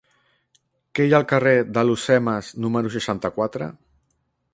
Què hi ha al carrer d'Alhucemas número seixanta-quatre?